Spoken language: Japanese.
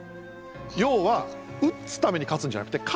要は打つために勝つんじゃなくて勝ってから打つ。